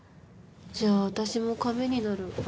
じゃあ私も亀になる。